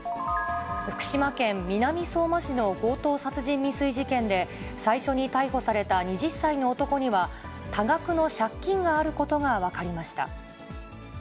福島県南相馬市の強盗殺人未遂事件で、最初に逮捕された２０歳の男には、多額の借金があることが分かりました。